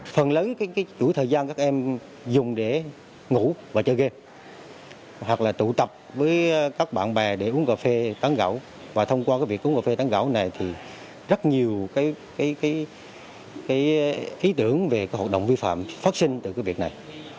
phần lớn chuỗi thời gian các em dùng để ngủ và chơi game hoặc là tụ tập với các bạn bè để uống cà phê tấn gạo và thông qua việc uống cà phê tán gạo này thì rất nhiều ý tưởng về hội đồng vi phạm phát sinh từ cái việc này